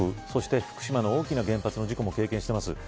そして福島の大きな原発の事故も経験してます。